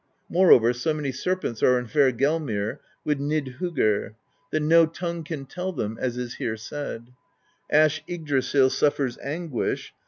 Moreover, so many serpents are in Hvergelmir with Nidhoggr, that no tongue can tell them, as is here said: Ash Yggdrasill suffers anguish.